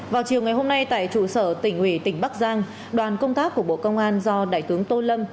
vào chiều ngày hôm nay tại trụ sở tỉnh ủy tỉnh bắc giang đoàn công tác của bộ công an do đại tướng tô lâm